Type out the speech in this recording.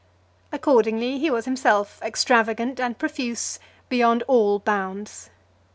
Accordingly, he was himself extravagant and profuse, beyond all bounds.